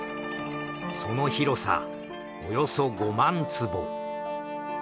その広さおよそ５万坪。